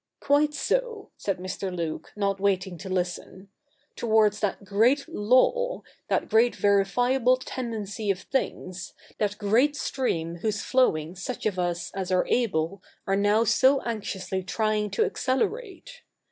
'Quite so,' said Mr. Luke, not waiting to listen, 'towards that great Law — that great verifiable tendency of things — that great stream whose flowing such of us as are able 202 THE NEW REPUBLIC [bk. iv are now so anxiously trying to accelerate.